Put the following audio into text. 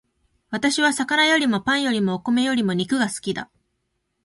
私は魚よりもパンよりもお米よりも肉が好きだ